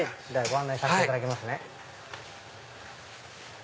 ご案内させていただきますね。